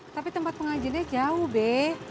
tapi tempat pengajiannya jauh be